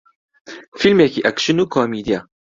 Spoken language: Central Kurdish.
فیلمێکی ئەکشن و کۆمێدییە